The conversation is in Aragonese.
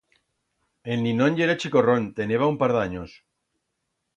El ninón yera chicorrón, teneba un par d'anyos.